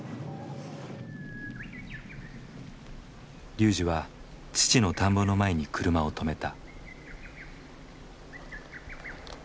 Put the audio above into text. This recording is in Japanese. ＲＹＵＪＩは父の田んぼの前に車をとめた。